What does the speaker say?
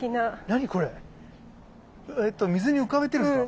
えと水に浮かべてるんですか？